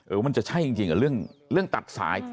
เออมันจะใช่จริงเหรอเรื่องตัดสาย